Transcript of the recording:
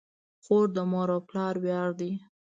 خور د مور او پلار ویاړ ده.